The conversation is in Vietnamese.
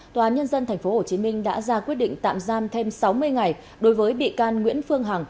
tòa án nhân dân tp hcm đã ra quyết định tạm giam thêm sáu mươi ngày đối với bị can nguyễn phương hằng